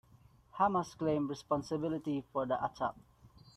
Hamas claimed responsibility for the attack.